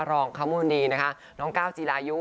อรองข้าวมูลดีน้องก้าวจีรายุ